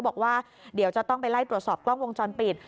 บอกว่าเดี๋ยวจะต้องไปไล่ตรวจสอบกล้องวงจรปิด